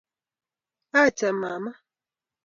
Acha mama